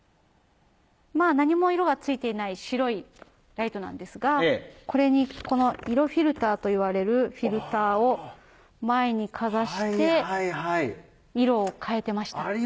まぁ何も色がついていない白いライトなんですがこれにこの色フィルターといわれるフィルターを前にかざして色を変えてました。